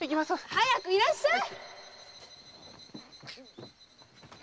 早くいらっしゃい！